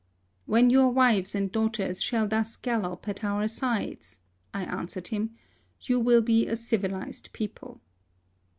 " When your wives and daugh ters shall thus gallop at your sides/' I an swered him, " you will be a civilised people."